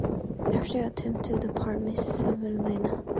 After her attempt to be part of Miss Venezuela.